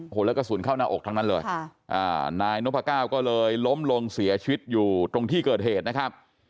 โอ้โหแล้วกระสุนเข้าหน้าอกทั้งนั้นเลยนายนพก้าวก็เลยล้มลงเสียชีวิตอยู่ตรงที่เกิดเหตุนะครับ